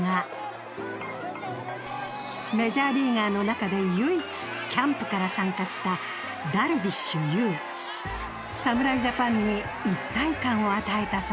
メジャーリーガーの中で唯一キャンプから参加した侍ジャパンに一体感を与えた存在です。